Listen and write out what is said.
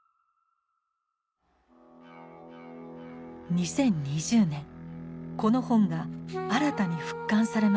２０２０年この本が新たに復刊されました。